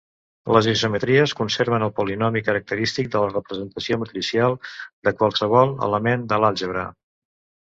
Les isometries conserven el polinomi característic de la representació matricial de qualsevol element de l'àlgebra.